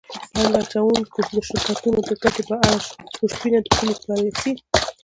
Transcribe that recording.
پانګه اچوونکو د شرکتونو د ګټې په اړه خوشبیني د پولي پالیسۍ